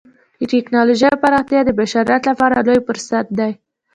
د ټکنالوجۍ پراختیا د بشریت لپاره لوی فرصت دی.